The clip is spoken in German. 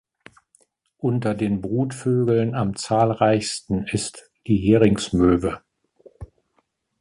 Unter den Brutvögeln am zahlreichsten ist die Heringsmöwe.